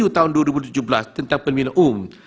tahun dua ribu tujuh belas tentang pemilihan umum